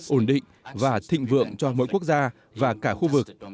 ổn định và thịnh vượng cho mỗi quốc gia và cả khu vực